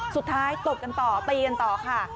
สุดท้ายตกกันต่อบปีกันต่อค่ะ